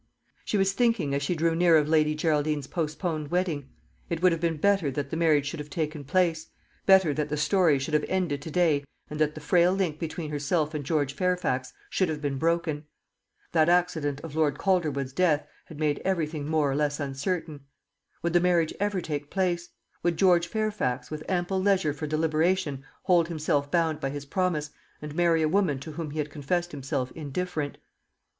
She was thinking as she drew near of Lady Geraldine's postponed wedding. It would have been better that the marriage should have taken place; better that the story should have ended to day and that the frail link between herself and George Fairfax should have been broken. That accident of Lord Calderwood's death had made everything more or less uncertain. Would the marriage ever take place? Would George Fairfax, with ample leisure for deliberation, hold himself bound by his promise, and marry a woman to whom he had confessed himself indifferent?